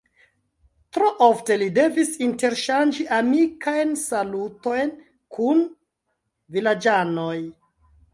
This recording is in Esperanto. Tro ofte li devis interŝanĝi amikajn salutojn kun vilaĝanoj.